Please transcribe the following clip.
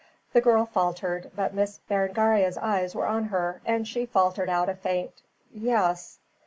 The girl faltered, but Miss Berengaria's eyes were on her, and she faltered out a faint "Yes."